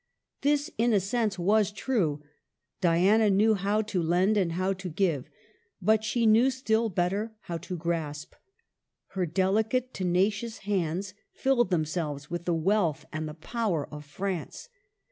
This, in a sense, was true. Diana knew how to lend and how to give, but she knew still better how to grasp. Her delicate, tenacious hands filled themselves with the wealth and the power of France.